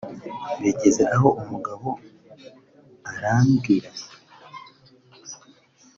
Bigeze aho umugabo arambwira